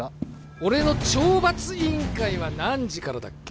俺の懲罰委員会は何時からだっけ？